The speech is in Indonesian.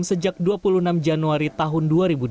sejak dua puluh enam januari tahun dua ribu dua puluh